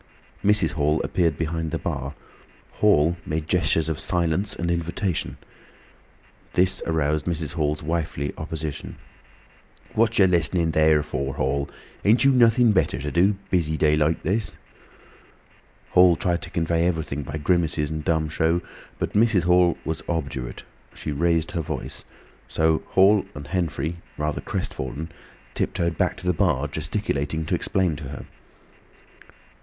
Mrs. Hall appeared behind the bar. Hall made gestures of silence and invitation. This aroused Mrs. Hall's wifely opposition. "What yer listenin' there for, Hall?" she asked. "Ain't you nothin' better to do—busy day like this?" Hall tried to convey everything by grimaces and dumb show, but Mrs. Hall was obdurate. She raised her voice. So Hall and Henfrey, rather crestfallen, tiptoed back to the bar, gesticulating to explain to her.